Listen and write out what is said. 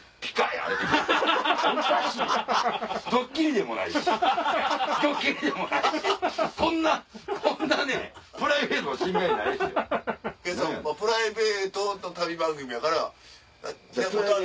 やっぱプライベートの旅番組やから。